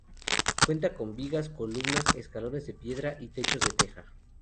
Cuenta con vigas, columnas, escalones de piedra y techos de teja.